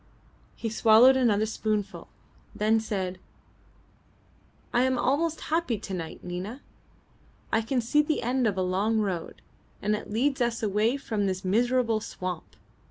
He swallowed another spoonful, then said "I am almost happy to night, Nina. I can see the end of a long road, and it leads us away from this miserable swamp.